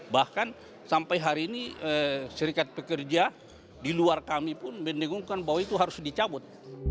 bahkan sampai hari ini serikat pekerja di luar kami pun mendengungkan bahwa itu harus dicabut